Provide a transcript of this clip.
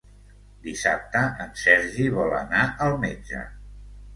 Dissabte en Sergi vol anar al metge.